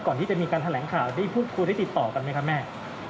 ก่อนที่จะมีการแถลงข่าวได้พูดคุยได้ติดต่อกันไหมครับแม่